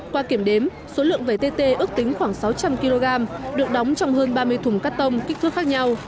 qua kiểm đếm số lượng vẻ tt ước tính khoảng sáu trăm linh kg được đóng trong hơn ba mươi thùng cắt tông kích thước khác nhau